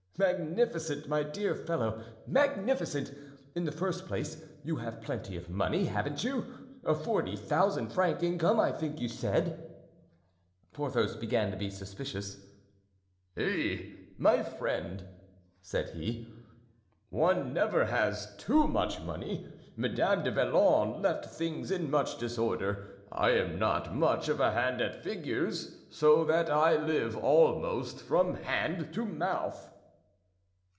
"Magnificent, my dear fellow, magnificent! In the first place you have plenty of money, haven't you? forty thousand francs income, I think you said." Porthos began to be suspicious. "Eh! my friend," said he, "one never has too much money. Madame du Vallon left things in much disorder; I am not much of a hand at figures, so that I live almost from hand to mouth."